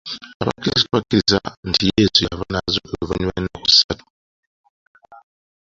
Abakrisito bakkiriza nti Yesu yafa n'azuukira oluvannyuma lw'ennaku ssatu.